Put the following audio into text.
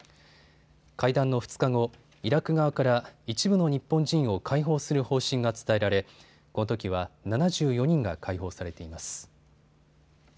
会談の２日後、イラク側から一部の日本人を解放する方針が伝えられこのときは７４人が解放されています。